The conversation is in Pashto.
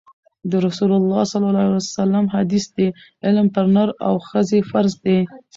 د رسول الله ﷺ حدیث دی: علم پر نر او ښځي فرض دی